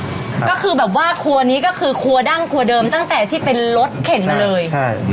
ก็คือแบบว่าครัวนี้ก็คือครัวดั้งครัวเดิมตั้งแต่ที่เป็นรถเข็นมาเลยใช่